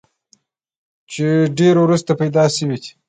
چې ډېر وروستو پېدا شوی دی